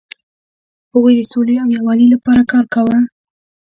هغوی د سولې او یووالي لپاره کار کاوه.